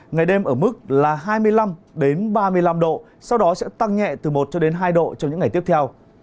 ngày đêm ở mức là hai mươi năm ba mươi năm độ sau đó sẽ tăng nhẹ từ một cho đến hai độ trong những ngày tiếp theo